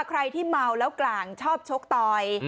ใครที่เมาแล้วกลางชอบชกต่อย